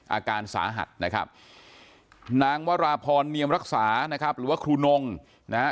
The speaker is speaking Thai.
อาการสาหัสนะครับนางวราพรเนียมรักษานะครับหรือว่าครูนงนะฮะ